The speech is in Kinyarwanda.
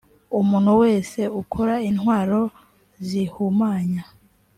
umuntu wese ukora intwaro zihumanya